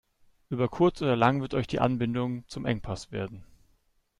Über kurz oder lang wird euch die Anbindung zum Engpass werden.